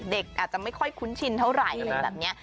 เด็กอาจจะไม่ค่อยคุ้นชินเท่าไหร่อะไรแบบนี้